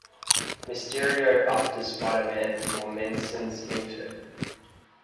Mysterio went after Spider-Man for Menace's infant.